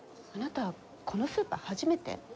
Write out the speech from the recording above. あなたこのスーパー初めて？